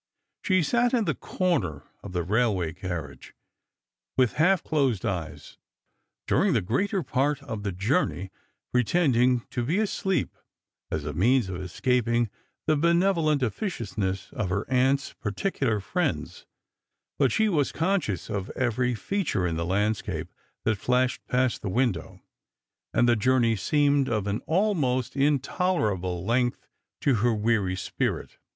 She sat in the corner of the railway carriage, with half closed eyes, during the greater part of the journey, pretending to be asleep, as a means of escaping the benevolent officiousness of her aunt's particular friends ; but she was conscious of every feature in the landscape that flashed past the window, and the journey seemed of an almost intolerable length to her weary spirit.